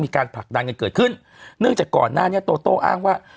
ผลักดันกันเกิดขึ้นเนื่องจากก่อนหน้านี้โตโต้อ้างว่า